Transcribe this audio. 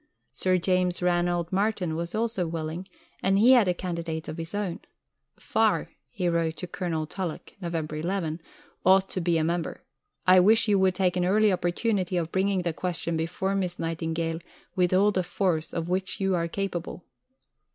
Sir James Ranald Martin was also willing, and he had a candidate of his own. "Farr," he wrote to Colonel Tulloch (Nov. 11), "ought to be a member. I wish you would take an early opportunity of bringing the question before Miss Nightingale with all the force of which you are capable."